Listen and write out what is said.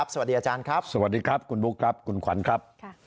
สวัสดีอาจารย์ครับสวัสดีครับคุณบุ๊คครับคุณขวัญครับ